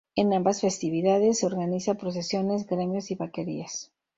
En ambas festividades se organizan procesiones, gremios y vaquerías.